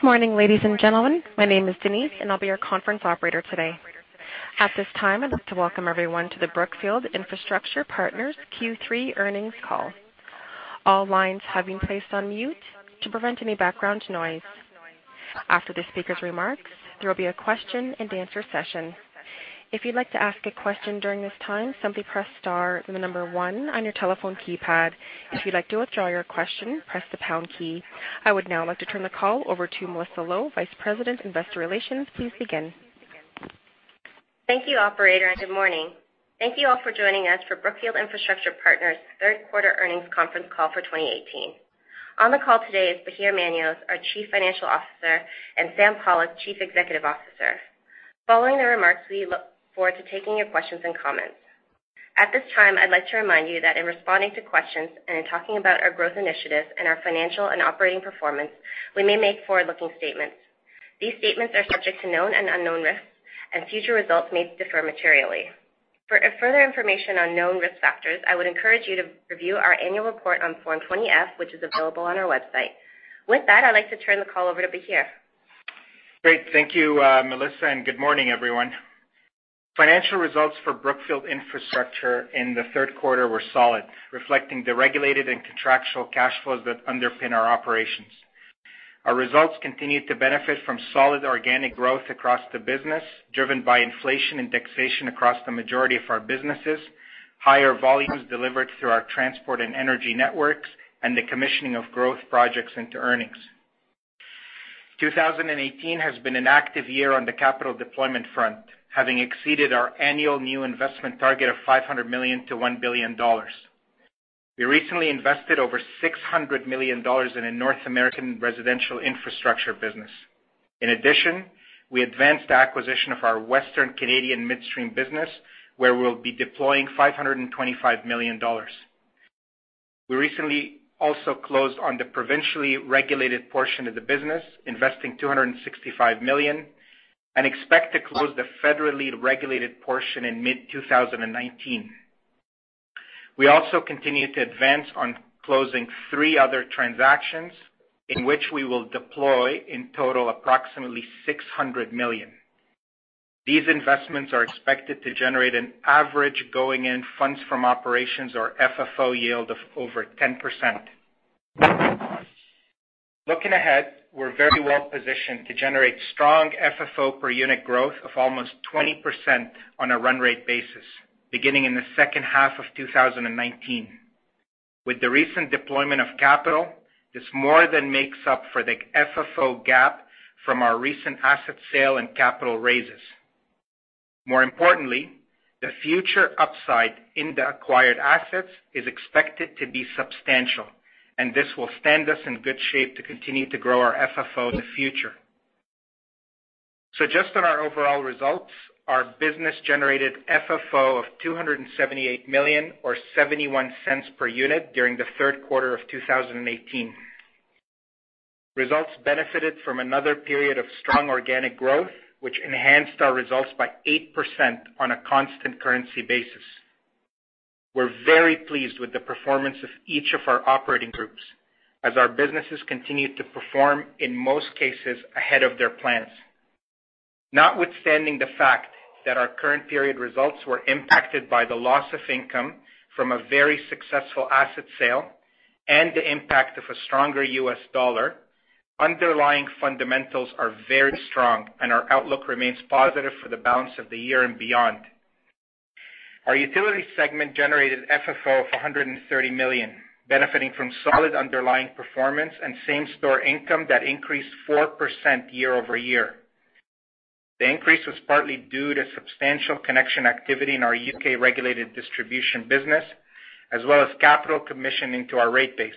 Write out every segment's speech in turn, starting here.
Good morning, ladies and gentlemen. My name is Denise, and I'll be your conference operator today. At this time, I'd like to welcome everyone to the Brookfield Infrastructure Partners Q3 earnings call. All lines have been placed on mute to prevent any background noise. After the speaker's remarks, there will be a question and answer session. If you'd like to ask a question during this time, simply press star then the number 1 on your telephone keypad. If you'd like to withdraw your question, press the pound key. I would now like to turn the call over to Melissa Low, Vice President, Investor Relations. Please begin. Thank you operator. Good morning. Thank you all for joining us for Brookfield Infrastructure Partners' third quarter earnings conference call for 2018. On the call today is Bahir Manios, our Chief Financial Officer, and Sam Pollock, Chief Executive Officer. Following the remarks, we look forward to taking your questions and comments. At this time, I'd like to remind you that in responding to questions and in talking about our growth initiatives and our financial and operating performance, we may make forward-looking statements. These statements are subject to known and unknown risks, and future results may differ materially. For further information on known risk factors, I would encourage you to review our annual report on Form 20-F, which is available on our website. With that, I'd like to turn the call over to Bahir. Great. Thank you, Melissa. Good morning, everyone. Financial results for Brookfield Infrastructure in the third quarter were solid, reflecting the regulated and contractual cash flows that underpin our operations. Our results continued to benefit from solid organic growth across the business, driven by inflation and taxation across the majority of our businesses, higher volumes delivered through our transport and energy networks, and the commissioning of growth projects into earnings. 2018 has been an active year on the capital deployment front, having exceeded our annual new investment target of $500 million-$1 billion. We recently invested over $600 million in a North American residential energy infrastructure business. In addition, we advanced the acquisition of our Western Canadian midstream business, where we'll be deploying $525 million. We recently also closed on the provincially regulated portion of the business, investing $265 million, and expect to close the federally regulated portion in mid 2019. We also continue to advance on closing 3 other transactions in which we will deploy, in total, approximately $600 million. These investments are expected to generate an average going-in funds from operations, or FFO, yield of over 10%. Looking ahead, we're very well-positioned to generate strong FFO per unit growth of almost 20% on a run rate basis, beginning in the second half of 2019. With the recent deployment of capital, this more than makes up for the FFO gap from our recent asset sale and capital raises. More importantly, the future upside in the acquired assets is expected to be substantial, and this will stand us in good shape to continue to grow our FFO in the future. Just on our overall results, our business generated FFO of $278 million or $0.71 per unit during the third quarter of 2018. Results benefited from another period of strong organic growth, which enhanced our results by 8% on a constant currency basis. We're very pleased with the performance of each of our operating groups as our businesses continued to perform, in most cases, ahead of their plans. Notwithstanding the fact that our current period results were impacted by the loss of income from a very successful asset sale and the impact of a stronger U.S. dollar, underlying fundamentals are very strong, and our outlook remains positive for the balance of the year and beyond. Our utility segment generated FFO of $130 million, benefiting from solid underlying performance and same-store income that increased 4% year-over-year. The increase was partly due to substantial connection activity in our U.K. regulated distribution business, as well as capital commissioning to our rate base.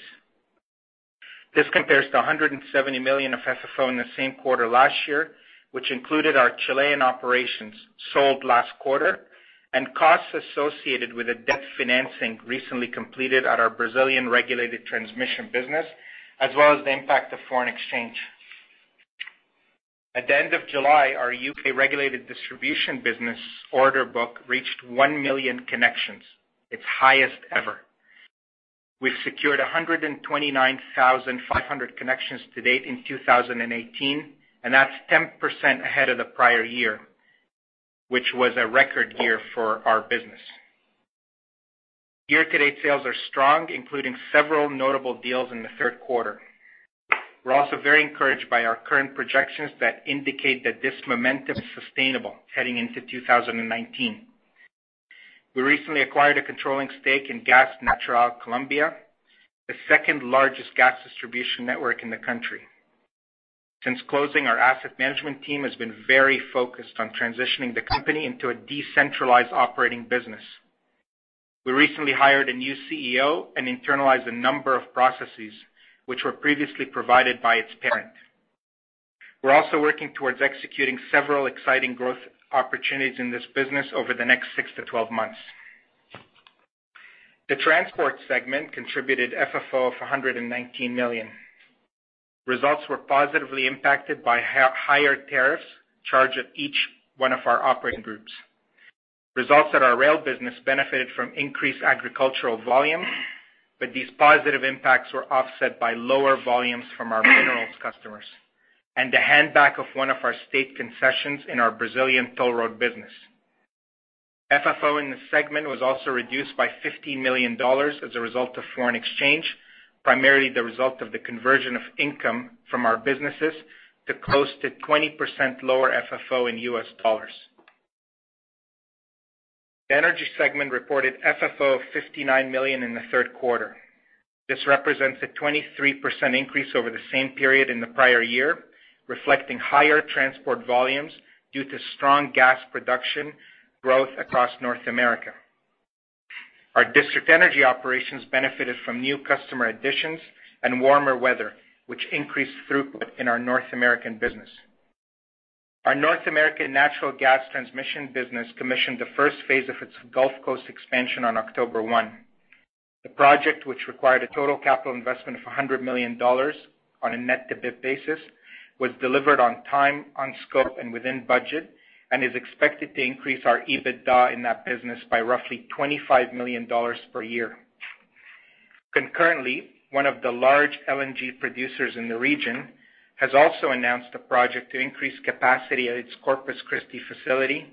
This compares to $170 million of FFO in the same quarter last year, which included our Chilean operations sold last quarter and costs associated with a debt financing recently completed at our Brazilian regulated transmission business, as well as the impact of foreign exchange. At the end of July, our U.K. regulated distribution business order book reached 1 million connections, its highest ever. We've secured 129,500 connections to date in 2018, and that's 10% ahead of the prior year, which was a record year for our business. Year-to-date sales are strong, including several notable deals in the third quarter. We're also very encouraged by our current projections that indicate that this momentum is sustainable heading into 2019. We recently acquired a controlling stake in Gas Natural Colombia, the second-largest gas distribution network in the country. Since closing, our asset management team has been very focused on transitioning the company into a decentralized operating business. We recently hired a new CEO and internalized a number of processes which were previously provided by its parent. We're also working towards executing several exciting growth opportunities in this business over the next 6 to 12 months. The transport segment contributed FFO of $119 million. Results were positively impacted by higher tariffs charged at each one of our operating groups. Results at our rail business benefited from increased agricultural volume, but these positive impacts were offset by lower volumes from our minerals customers and the hand-back of one of our state concessions in our Brazilian toll road business. FFO in this segment was also reduced by $15 million as a result of foreign exchange, primarily the result of the conversion of income from our businesses to close to 20% lower FFO in U.S. dollars. The energy segment reported FFO of $59 million in the third quarter. This represents a 23% increase over the same period in the prior year, reflecting higher transport volumes due to strong gas production growth across North America. Our district energy operations benefited from new customer additions and warmer weather, which increased throughput in our North American business. Our North American natural gas transmission business commissioned the first phase of its Gulf Coast expansion on October 1. The project, which required a total capital investment of $100 million on a net-to-BIP basis, was delivered on time, on scope, and within budget, and is expected to increase our EBITDA in that business by roughly $25 million per year. Concurrently, one of the large LNG producers in the region has also announced a project to increase capacity at its Corpus Christi facility,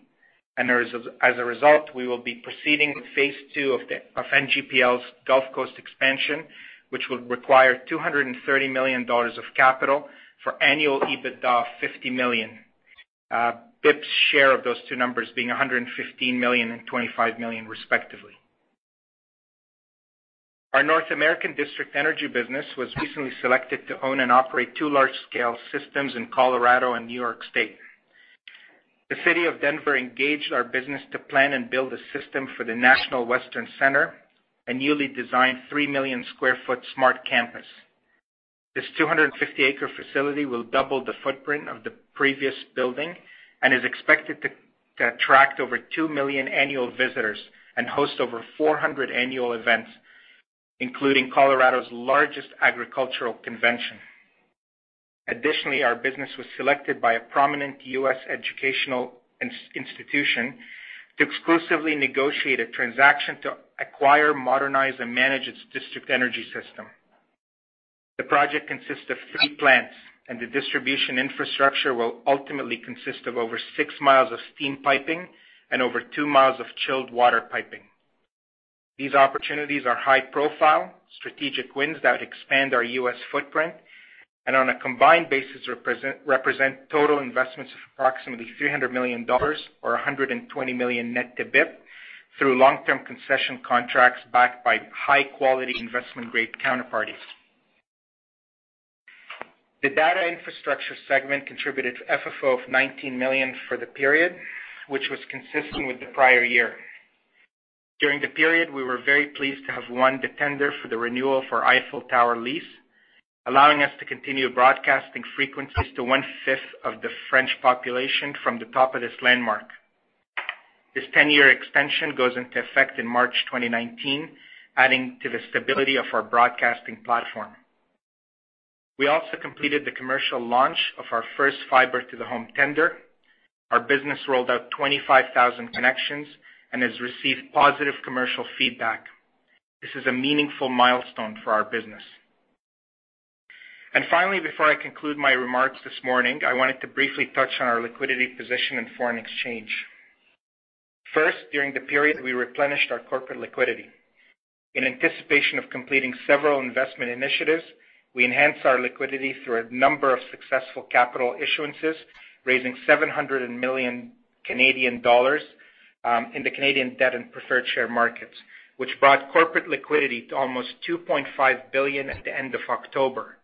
and as a result, we will be proceeding with phase two of NGPL's Gulf Coast expansion, which will require $230 million of capital for annual EBITDA of $50 million. BIP's share of those two numbers being $115 million and $25 million respectively. Our North American district energy business was recently selected to own and operate two large-scale systems in Colorado and New York State. The City of Denver engaged our business to plan and build a system for the National Western Center, a newly designed 3 million-square-foot smart campus. This 250-acre facility will double the footprint of the previous building and is expected to attract over 2 million annual visitors and host over 400 annual events, including Colorado's largest agricultural convention. Additionally, our business was selected by a prominent U.S. educational institution to exclusively negotiate a transaction to acquire, modernize, and manage its district energy system. The project consists of three plants, and the distribution infrastructure will ultimately consist of over six miles of steam piping and over two miles of chilled water piping. These opportunities are high-profile strategic wins that expand our U.S. footprint, and on a combined basis, represent total investments of approximately $300 million or $120 million net to BIP through long-term concession contracts backed by high-quality investment-grade counterparties. The data infrastructure segment contributed to FFO of $19 million for the period, which was consistent with the prior year. During the period, we were very pleased to have won the tender for the renewal of our Eiffel Tower lease, allowing us to continue broadcasting frequencies to one-fifth of the French population from the top of this landmark. This 10-year extension goes into effect in March 2019, adding to the stability of our broadcasting platform. We also completed the commercial launch of our first fiber to the home tender. Our business rolled out 25,000 connections and has received positive commercial feedback. This is a meaningful milestone for our business. Finally, before I conclude my remarks this morning, I wanted to briefly touch on our liquidity position in foreign exchange. First, during the period, we replenished our corporate liquidity. In anticipation of completing several investment initiatives, we enhanced our liquidity through a number of successful capital issuances, raising 700 million Canadian dollars in the Canadian debt and preferred share markets, which brought corporate liquidity to almost $2.5 billion at the end of October.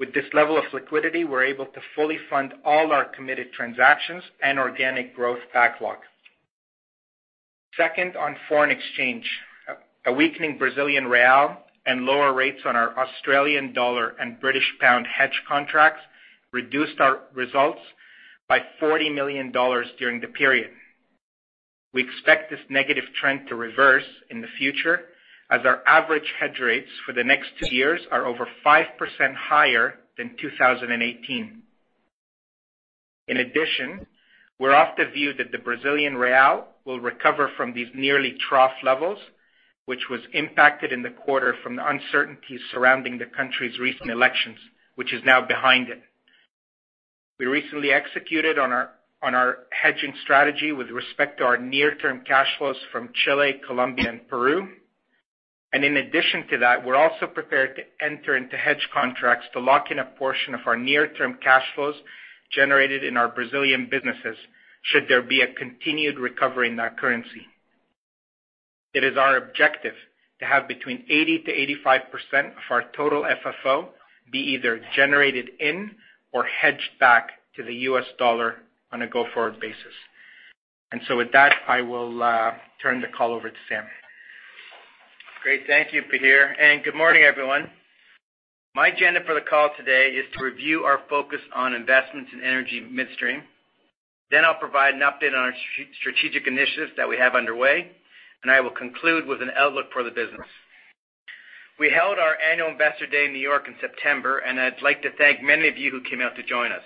With this level of liquidity, we're able to fully fund all our committed transactions and organic growth backlog. Second, on foreign exchange. A weakening Brazilian real and lower rates on our Australian dollar and British pound hedge contracts reduced our results by $40 million during the period. We expect this negative trend to reverse in the future as our average hedge rates for the next two years are over 5% higher than 2018. In addition, we're of the view that the Brazilian real will recover from these nearly trough levels, which was impacted in the quarter from the uncertainty surrounding the country's recent elections, which is now behind it. We recently executed on our hedging strategy with respect to our near-term cash flows from Chile, Colombia, and Peru. In addition to that, we're also prepared to enter into hedge contracts to lock in a portion of our near-term cash flows generated in our Brazilian businesses should there be a continued recovery in that currency. It is our objective to have between 80%-85% of our total FFO be either generated in or hedged back to the U.S. dollar on a go-forward basis. With that, I will turn the call over to Sam. Great. Thank you, Bahir, and good morning, everyone. My agenda for the call today is to review our focus on investments in energy midstream. I'll provide an update on our strategic initiatives that we have underway, and I will conclude with an outlook for the business. We held our annual investor day in N.Y. in September, and I'd like to thank many of you who came out to join us.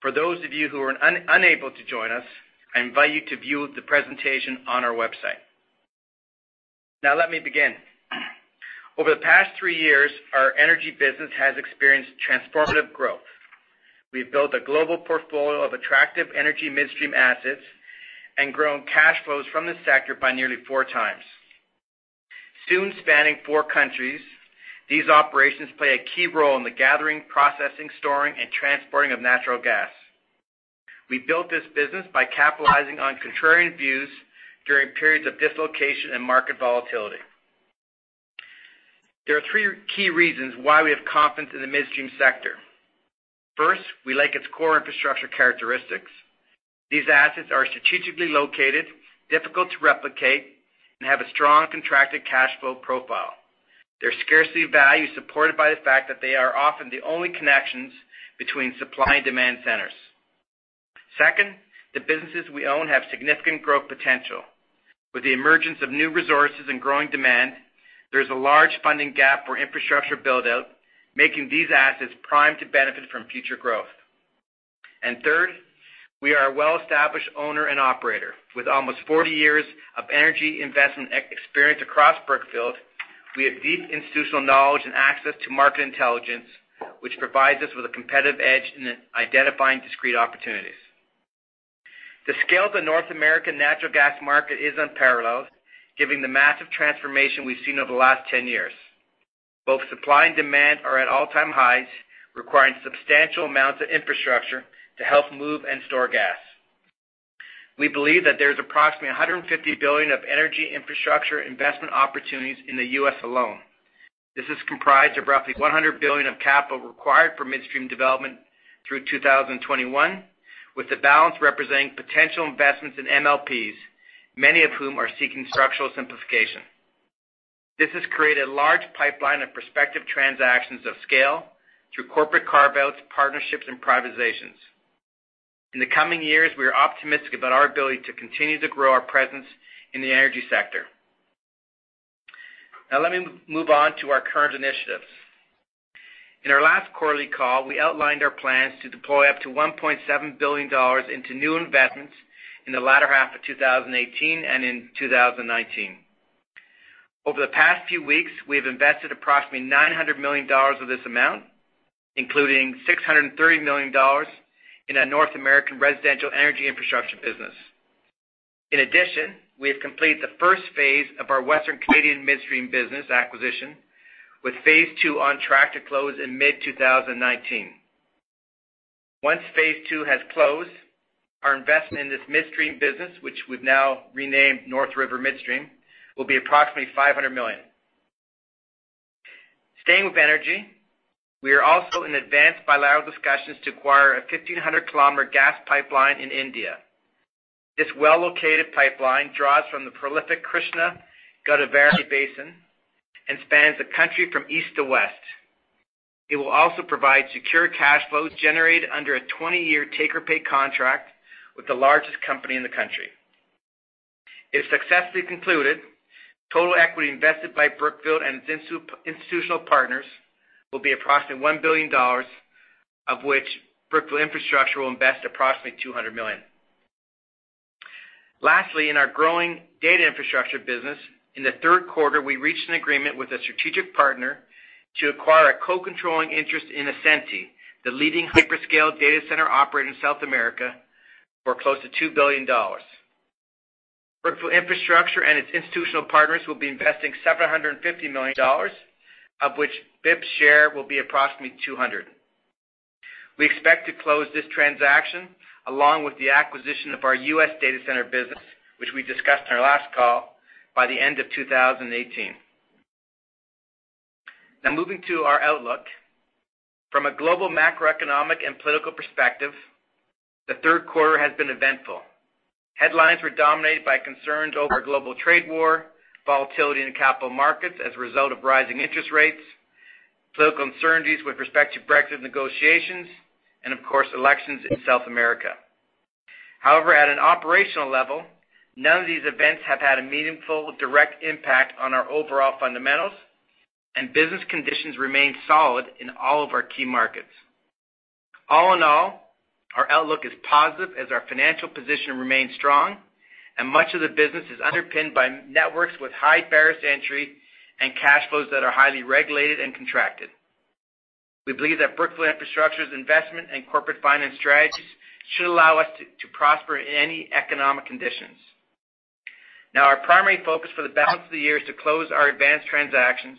For those of you who were unable to join us, I invite you to view the presentation on our website. Let me begin. Over the past three years, our energy business has experienced transformative growth. We've built a global portfolio of attractive energy midstream assets and grown cash flows from this sector by nearly four times. Soon spanning four countries, these operations play a key role in the gathering, processing, storing, and transporting of natural gas. We built this business by capitalizing on contrarian views during periods of dislocation and market volatility. There are three key reasons why we have confidence in the midstream sector. First, we like its core infrastructure characteristics. These assets are strategically located, difficult to replicate, and have a strong contracted cash flow profile. Their scarcity value is supported by the fact that they are often the only connections between supply and demand centers. Second, the businesses we own have significant growth potential. With the emergence of new resources and growing demand, there's a large funding gap for infrastructure build-out, making these assets primed to benefit from future growth. Third, we are a well-established owner and operator. With almost 40 years of energy investment experience across Brookfield, we have deep institutional knowledge and access to market intelligence, which provides us with a competitive edge in identifying discrete opportunities. The scale of the North American natural gas market is unparalleled, given the massive transformation we've seen over the last 10 years. Both supply and demand are at all-time highs, requiring substantial amounts of infrastructure to help move and store gas. We believe that there's approximately $150 billion of energy infrastructure investment opportunities in the U.S. alone. This is comprised of roughly $100 billion of capital required for midstream development through 2021, with the balance representing potential investments in MLPs, many of whom are seeking structural simplification. This has created a large pipeline of prospective transactions of scale through corporate carve-outs, partnerships, and privatizations. In the coming years, we are optimistic about our ability to continue to grow our presence in the energy sector. Let me move on to our current initiatives. In our last quarterly call, we outlined our plans to deploy up to $1.7 billion into new investments in the latter half of 2018 and in 2019. Over the past few weeks, we have invested approximately $900 million of this amount, including $630 million in our North American residential energy infrastructure business. In addition, we have completed the first phase of our Western Canadian midstream business acquisition, with phase 2 on track to close in mid-2019. Once phase 2 has closed, our investment in this midstream business, which we've now renamed NorthRiver Midstream, will be approximately $500 million. Staying with energy, we are also in advanced bilateral discussions to acquire a 1,500-kilometer gas pipeline in India. This well-located pipeline draws from the prolific Krishna-Godavari Basin and spans the country from east to west. It will also provide secure cash flows generated under a 20-year take-or-pay contract with the largest company in the country. If successfully concluded, total equity invested by Brookfield and its institutional partners will be approximately $1 billion, of which Brookfield Infrastructure will invest approximately $200 million. Lastly, in our growing data infrastructure business, in the third quarter, we reached an agreement with a strategic partner to acquire a co-controlling interest in Ascenty, the leading hyperscale data center operator in South America, for close to $2 billion. Brookfield Infrastructure and its institutional partners will be investing $750 million, of which BIP's share will be approximately $200 million. We expect to close this transaction, along with the acquisition of our U.S. data center business, which we discussed on our last call, by the end of 2018. Moving to our outlook. From a global macroeconomic and political perspective, the third quarter has been eventful. Headlines were dominated by concerns over a global trade war, volatility in capital markets as a result of rising interest rates, political uncertainties with respect to Brexit negotiations, and of course, elections in South America. At an operational level, none of these events have had a meaningful direct impact on our overall fundamentals, and business conditions remain solid in all of our key markets. Our outlook is positive as our financial position remains strong, and much of the business is underpinned by networks with high barriers to entry and cash flows that are highly regulated and contracted. We believe that Brookfield Infrastructure's investment and corporate finance strategies should allow us to prosper in any economic conditions. Our primary focus for the balance of the year is to close our advanced transactions,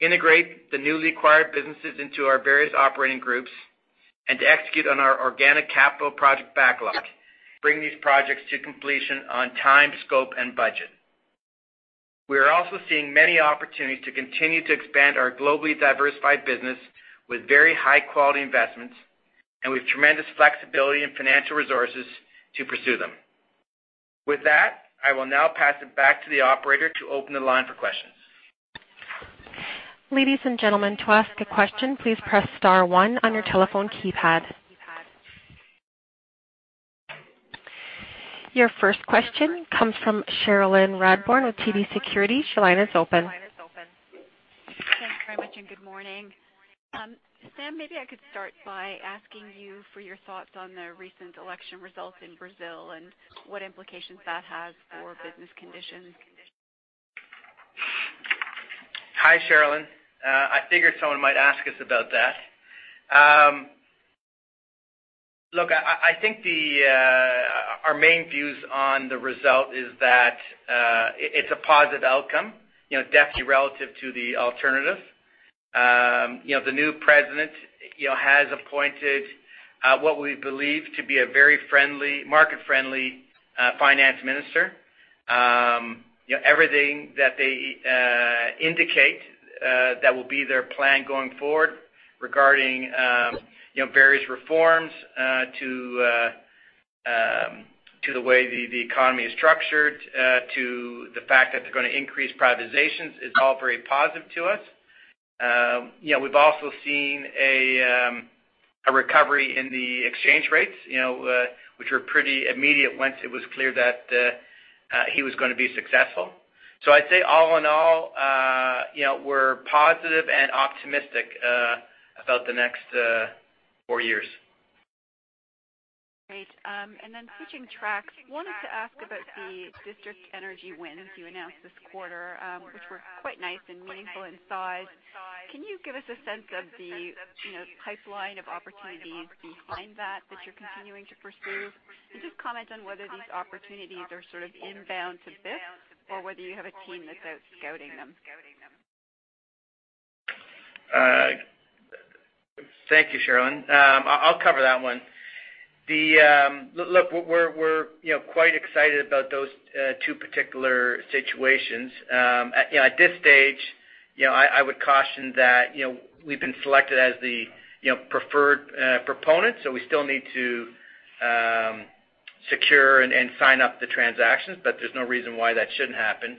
integrate the newly acquired businesses into our various operating groups, and to execute on our organic capital project backlog to bring these projects to completion on time, scope, and budget. We are also seeing many opportunities to continue to expand our globally diversified business with very high-quality investments and with tremendous flexibility and financial resources to pursue them. I will now pass it back to the operator to open the line for questions. Ladies and gentlemen, to ask a question, please press *1 on your telephone keypad. Your first question comes from Cherilyn Radbourne with TD Securities. Cherilyn, it's open. Thanks very much. Good morning. Sam, maybe I could start by asking you for your thoughts on the recent election results in Brazil and what implications that has for business conditions. Hi, Cherilyn. I figured someone might ask us about that. Look, I think our main views on the result is that it's a positive outcome, definitely relative to the alternative. The new president has appointed what we believe to be a very market-friendly finance minister. Everything that they indicate that will be their plan going forward regarding various reforms to the way the economy is structured, to the fact that they're going to increase privatizations, is all very positive to us. We've also seen a recovery in the exchange rates, which were pretty immediate once it was clear that he was going to be successful. I'd say all in all, we're positive and optimistic about the next four years. Great. Switching tracks. Wanted to ask about the district energy wins you announced this quarter, which were quite nice and meaningful in size. Can you give us a sense of the pipeline of opportunities behind that you're continuing to pursue? Just comment on whether these opportunities are sort of inbound to BIP or whether you have a team that's out scouting them. Thank you, Cherilyn. I'll cover that one. Look, we're quite excited about those two particular situations. At this stage, I would caution that we've been selected as the preferred proponent, so we still need to secure and sign up the transactions, but there's no reason why that shouldn't happen.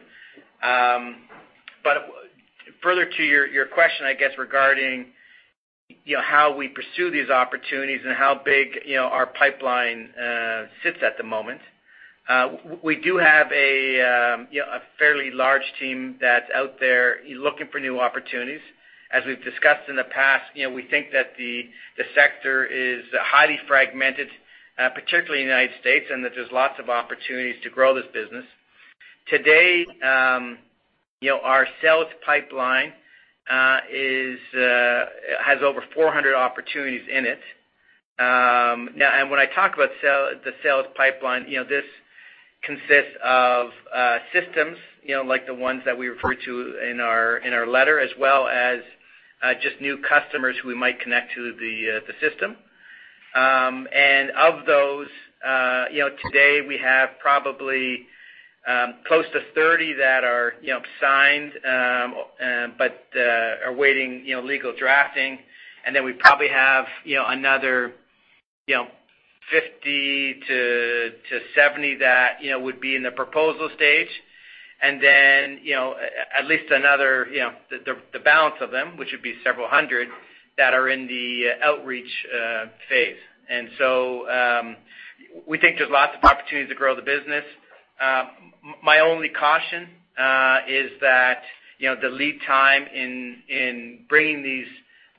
Further to your question, I guess, regarding how we pursue these opportunities and how big our pipeline sits at the moment. We do have a fairly large team that's out there looking for new opportunities. As we've discussed in the past, we think that the sector is highly fragmented, particularly in the U.S., and that there's lots of opportunities to grow this business. Today, our sales pipeline has over 400 opportunities in it. When I talk about the sales pipeline, this consists of systems like the ones that we refer to in our letter as well as just new customers who we might connect to the system. Of those, today we have probably close to 30 that are signed but are awaiting legal drafting. We probably have another 50-70 that would be in the proposal stage. At least another, the balance of them, which would be several hundred, that are in the outreach phase. We think there's lots of opportunities to grow the business. My only caution is that the lead time in bringing these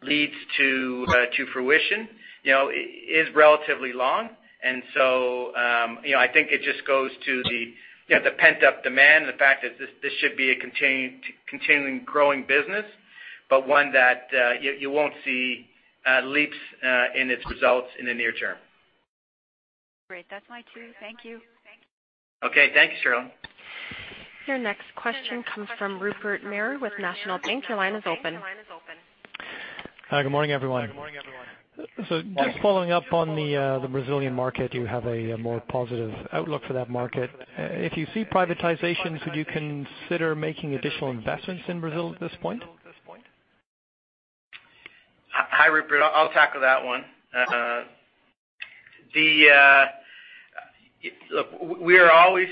leads to fruition is relatively long. I think it just goes to the pent-up demand and the fact that this should be a continuing growing business, but one that you won't see leaps in its results in the near term. Great. That's my cue. Thank you. Okay. Thank you, Cherilyn. Your next question comes from Rupert Merer with National Bank. Your line is open. Hi. Good morning, everyone. Morning. Just following up on the Brazilian market, you have a more positive outlook for that market. If you see privatizations, would you consider making additional investments in Brazil at this point? Hi, Rupert. I'll tackle that one. Look, we are always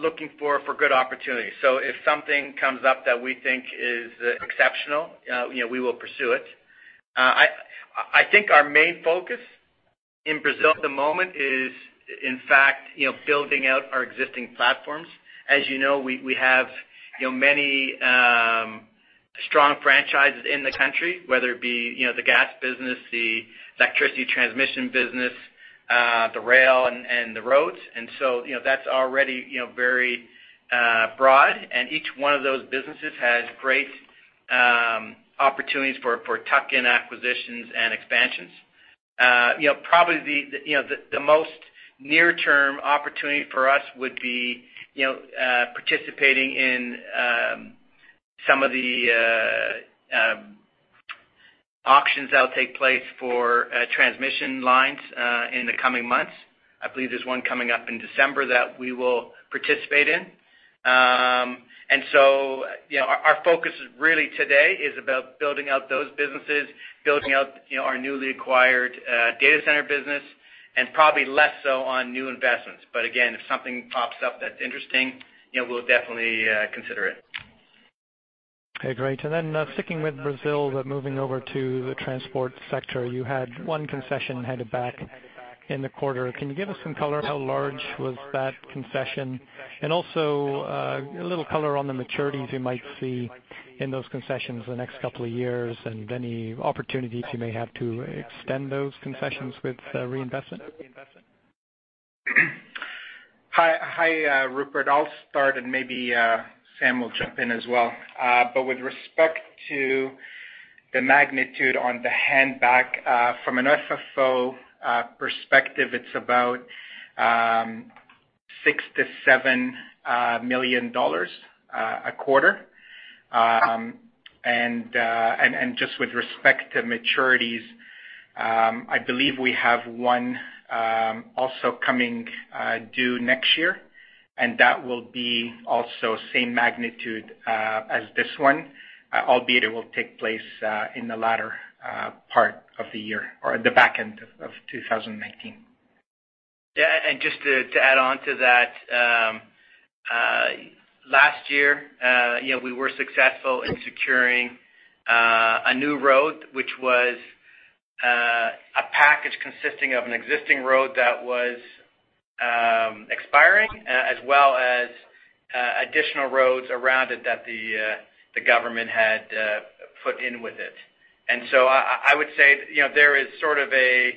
looking for good opportunities. If something comes up that we think is exceptional, we will pursue it. I think our main focus in Brazil at the moment is, in fact, building out our existing platforms. As you know, we have many strong franchises in the country, whether it be the gas business, the electricity transmission business, the rail, and the roads. That's already very broad, and each one of those businesses has great opportunities for tuck-in acquisitions and expansions. Probably the most near-term opportunity for us would be participating in some of the auctions that will take place for transmission lines in the coming months. I believe there's one coming up in December that we will participate in. Our focus really today is about building out those businesses, building out our newly acquired data center business, and probably less so on new investments. Again, if something pops up that's interesting, we'll definitely consider it. Okay, great. Then sticking with Brazil, but moving over to the transport sector. You had one concession handed back in the quarter. Can you give us some color? How large was that concession? Also, a little color on the maturities you might see in those concessions in the next couple of years, and any opportunities you may have to extend those concessions with reinvestment. Hi, Rupert. I'll start, and maybe Sam will jump in as well. With respect to the magnitude on the hand-back, from an FFO perspective, it's about six to $7 million a quarter. Just with respect to maturities, I believe we have one also coming due next year, and that will be also same magnitude as this one, albeit it will take place in the latter part of the year or the back end of 2019. Yeah. Just to add on to that, last year we were successful in securing a new road, which was a package consisting of an existing road that was expiring, as well as additional roads around it that the government had put in with it. I would say, there is sort of a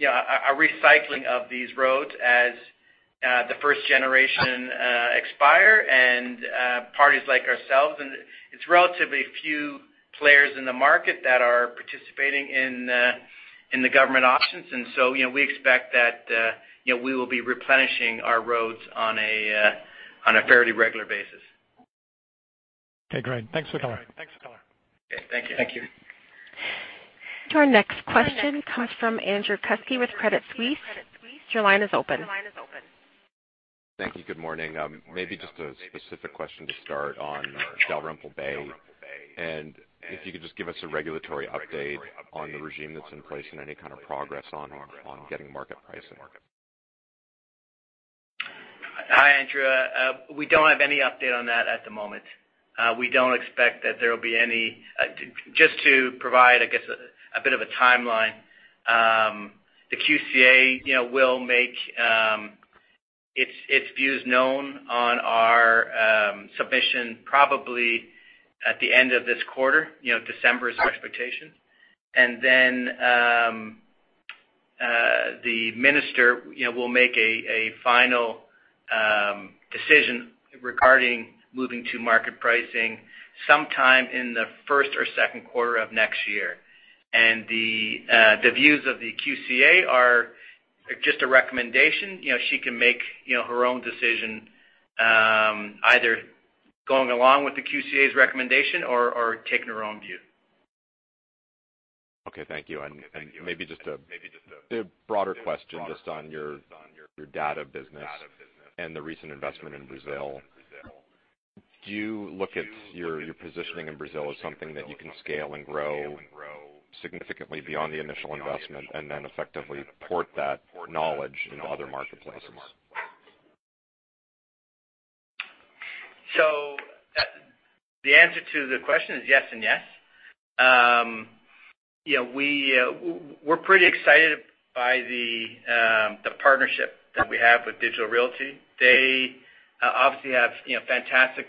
recycling of these roads as the first generation expire, and parties like ourselves. It's relatively few players in the market that are participating in the government auctions. We expect that we will be replenishing our roads on a fairly regular basis. Okay, great. Thanks for the color. Okay. Thank you. Thank you. Our next question comes from Andrew Kuske with Credit Suisse. Your line is open. Thank you. Good morning. Maybe just a specific question to start on Dalrymple Bay, if you could just give us a regulatory update on the regime that's in place and any kind of progress on getting market pricing. Hi, Andrew. We don't have any update on that at the moment. We don't expect that there will be. Just to provide, I guess, a bit of a timeline. The QCA will make its views known on our submission probably at the end of this quarter. December is our expectation. Then, the minister will make a final decision regarding moving to market pricing sometime in the first or second quarter of next year. The views of the QCA are just a recommendation. She can make her own decision, either going along with the QCA's recommendation or taking her own view. Okay, thank you. Maybe just a broader question just on your data business and the recent investment in Brazil. Do you look at your positioning in Brazil as something that you can scale and grow significantly beyond the initial investment, and then effectively port that knowledge into other marketplaces? The answer to the question is yes and yes. We're pretty excited by the partnership that we have with Digital Realty. They obviously have fantastic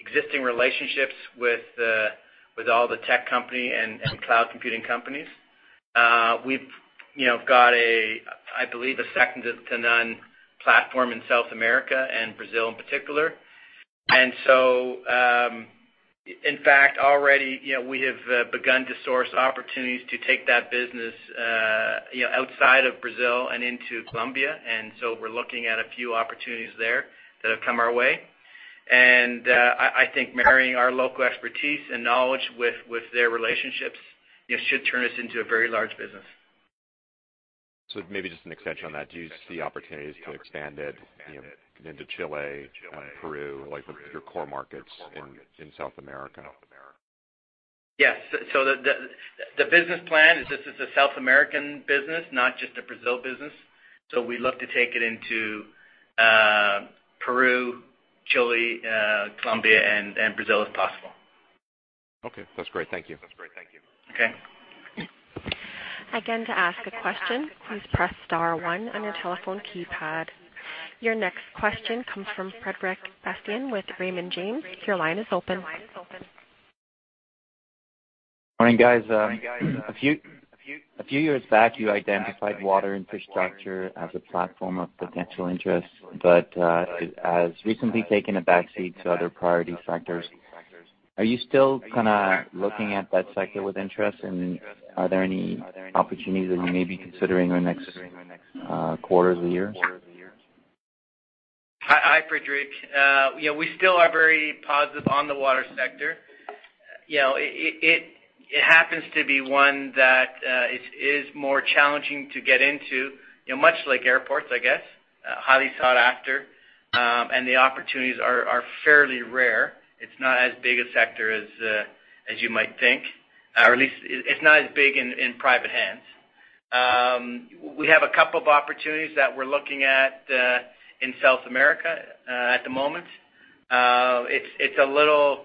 existing relationships with all the tech company and cloud computing companies. We've got, I believe, a second to none platform in South America and Brazil in particular. In fact, already we have begun to source opportunities to take that business outside of Brazil and into Colombia. We're looking at a few opportunities there that have come our way. I think marrying our local expertise and knowledge with their relationships, should turn us into a very large business. Maybe just an extension on that, do you see opportunities to expand it into Chile and Peru, like your core markets in South America? Yes. The business plan is this is a South American business, not just a Brazil business. We'd love to take it into Peru, Chile, Colombia and Brazil, if possible. Okay. That's great. Thank you. Okay. Again, to ask a question, please press star one on your telephone keypad. Your next question comes from Frederic Bastien with Raymond James. Your line is open. Morning, guys. A few years back, you identified water infrastructure as a platform of potential interest, but it has recently taken a backseat to other priority sectors. Are you still kind of looking at that sector with interest, and are there any opportunities that you may be considering in the next quarter of the year? Hi, Frederic. We still are very positive on the water sector. It happens to be one that is more challenging to get into, much like airports, I guess. Highly sought after. The opportunities are fairly rare. It's not as big a sector as you might think, or at least it's not as big in private hands. We have a couple of opportunities that we're looking at in South America at the moment. It's a little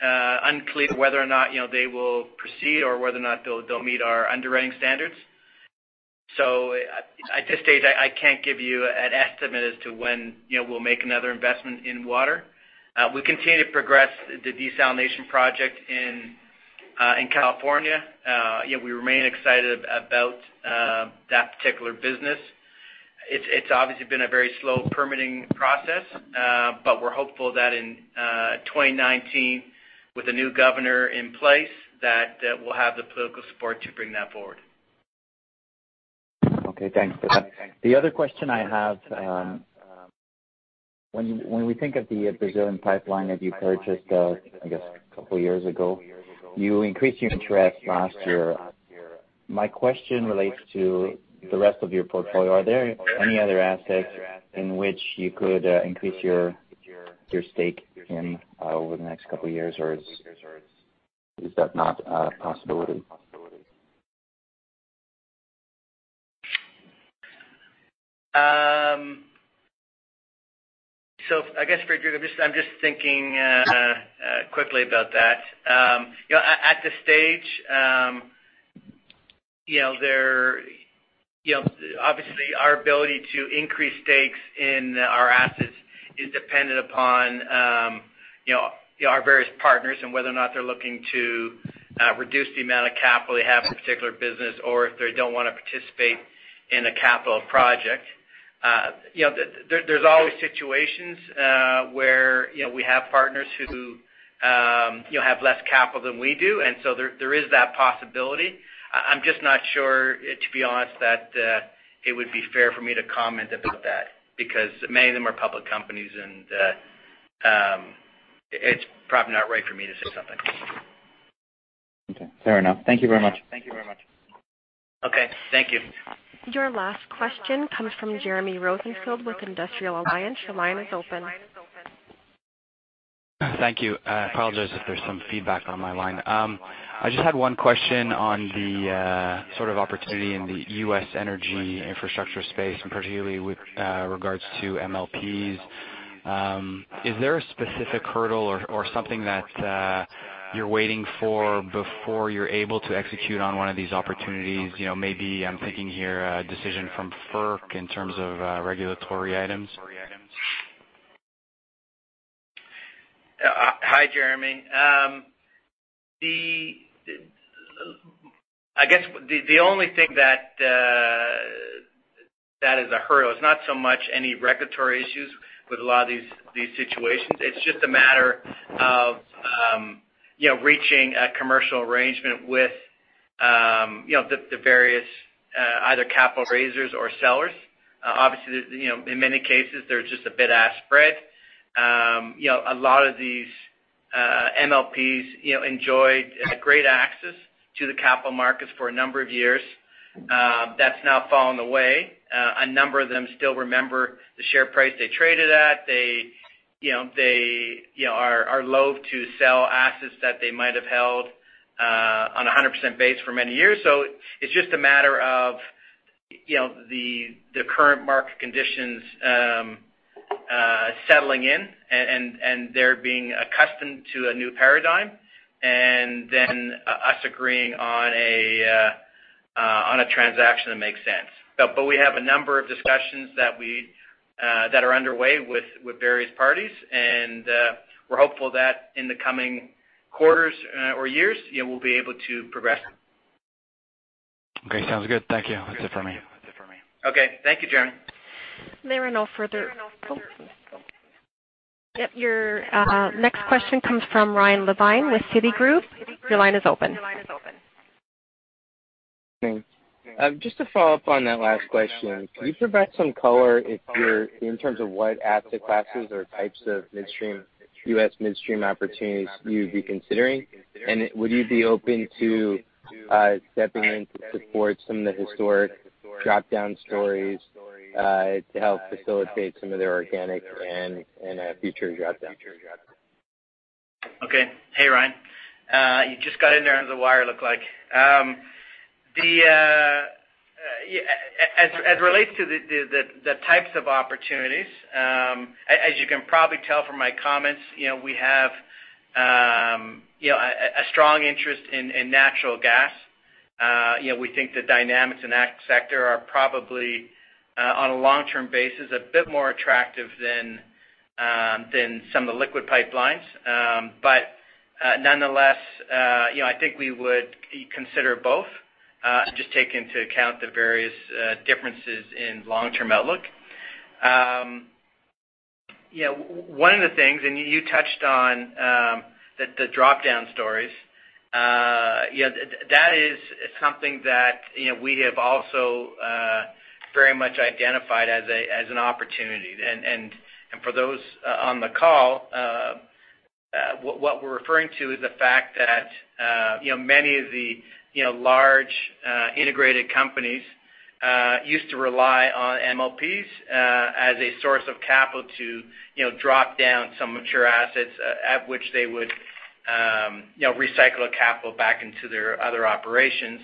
unclear whether or not they will proceed or whether or not they'll meet our underwriting standards. At this stage, I can't give you an estimate as to when we'll make another investment in water. We continue to progress the desalination project in California. We remain excited about that particular business. It's obviously been a very slow permitting process. We're hopeful that in 2019, with the new governor in place, that we'll have the political support to bring that forward. Okay. Thanks for that. The other question I have, when we think of the Brazilian pipeline that you purchased, I guess a couple of years ago, you increased your interest last year. My question relates to the rest of your portfolio. Are there any other assets in which you could increase your stake in over the next couple of years, or is that not a possibility? I guess, Friedric, I'm just thinking quickly about that. At this stage, obviously, our ability to increase stakes in our assets is dependent upon our various partners and whether or not they're looking to reduce the amount of capital they have in a particular business, or if they don't want to participate in a capital project. There's always situations where we have partners who have less capital than we do. There is that possibility. I'm just not sure, to be honest, that it would be fair for me to comment about that, because many of them are public companies, and it's probably not right for me to say something. Okay. Fair enough. Thank you very much. Okay. Thank you. Your last question comes from Jeremy Rosenfield with Industrial Alliance Securities. Your line is open. Thank you. I apologize if there's some feedback on my line. I just had one question on the sort of opportunity in the U.S. energy infrastructure space, and particularly with regards to MLPs. Is there a specific hurdle or something that you're waiting for before you're able to execute on one of these opportunities? Maybe I'm thinking here, a decision from FERC in terms of regulatory items. Hi, Jeremy. I guess the only thing that is a hurdle is not so much any regulatory issues with a lot of these situations. It's just a matter of reaching a commercial arrangement with the various either capital raisers or sellers. Obviously, in many cases, there's just a bit of spread. A lot of these MLPs enjoyed great access to the capital markets for a number of years. That's now fallen away. A number of them still remember the share price they traded at. They are loath to sell assets that they might have held on 100% base for many years. It's just a matter of the current market conditions settling in, and they're being accustomed to a new paradigm, and then us agreeing on a transaction that makes sense. We have a number of discussions that are underway with various parties, and we're hopeful that in the coming quarters or years, we'll be able to progress. Okay. Sounds good. Thank you. That's it from me. Okay. Thank you, Jeremy. There are no further Oh. Yep. Your next question comes from Ryan Levine with Citigroup. Your line is open. Thanks. Just to follow up on that last question. Can you provide some color in terms of what asset classes or types of midstream, U.S. midstream opportunities you'd be considering? Would you be open to stepping in to support some of the historic drop-down stories to help facilitate some of their organic and future drop-downs? Okay. Hey, Ryan. You just got in there under the wire, it looked like. As it relates to the types of opportunities, as you can probably tell from my comments, we have a strong interest in natural gas. We think the dynamics in that sector are probably, on a long-term basis, a bit more attractive than some of the liquid pipelines. Nonetheless, I think we would consider both, just take into account the various differences in long-term outlook. One of the things, you touched on the drop-down stories. That is something that we have also very much identified as an opportunity. For those on the call, what we're referring to is the fact that many of the large integrated companies used to rely on MLPs as a source of capital to drop down some mature assets at which they would recycle the capital back into their other operations.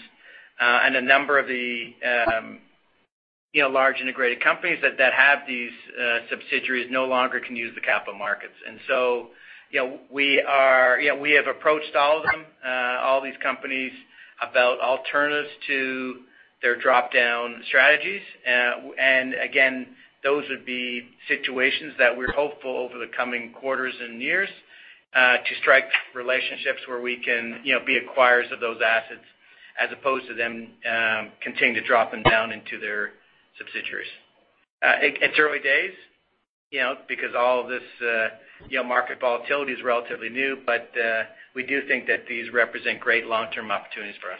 A number of the large integrated companies that have these subsidiaries no longer can use the capital markets. So we have approached all of them, all these companies, about alternatives to their drop-down strategies. Again, those would be situations that we're hopeful over the coming quarters and years to strike relationships where we can be acquirers of those assets as opposed to them continuing to drop them down into their subsidiaries. It's early days, because all of this market volatility is relatively new, but we do think that these represent great long-term opportunities for us.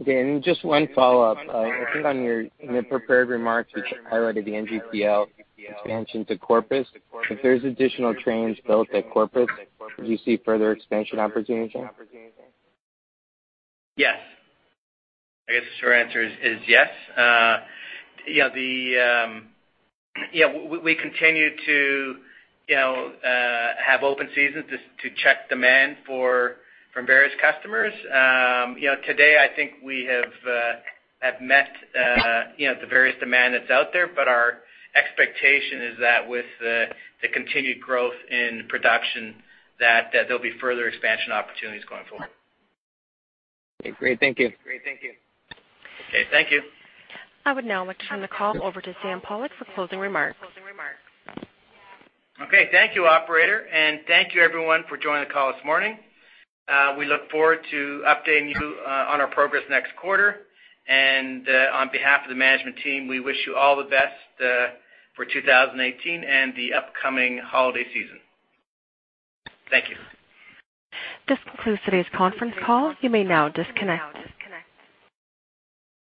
Okay. Just one follow-up. I think in your prepared remarks, you highlighted the NGPL expansion to Corpus. If there's additional trains built at Corpus, could you see further expansion opportunities there? Yes. I guess the short answer is yes. We continue to have open seasons to check demand from various customers. Today, I think we have met the various demand that's out there. Our expectation is that with the continued growth in production, that there'll be further expansion opportunities going forward. Okay, great. Thank you. Okay, thank you. I would now like to turn the call over to Sam Pollock for closing remarks. Okay. Thank you, operator. Thank you, everyone, for joining the call this morning. We look forward to updating you on our progress next quarter. On behalf of the management team, we wish you all the best for 2018 and the upcoming holiday season. Thank you. This concludes today's conference call. You may now disconnect.